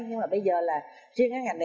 nhưng mà bây giờ là riêng ngành này